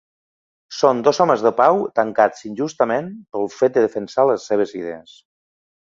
Són dos homes de pau tancats injustament pel fet de defensar les seves idees.